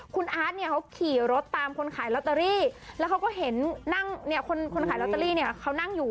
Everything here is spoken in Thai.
คุณอาร์ดเขาขี่รถตามคนขายล็อตเตอรี่แล้วเขาก็เห็นนั่งคนขายล็อตเตอรี่เขานั่งอยู่